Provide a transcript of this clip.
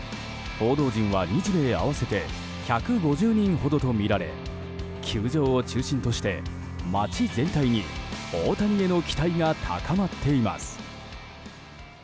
報道陣は日米合わせて１５０人ほどとみられ球場を中心として、街全体に大谷への期待が高まっています。